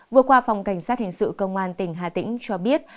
vừa qua phòng cảnh sát hình sự công an tỉnh hà tĩnh cho biết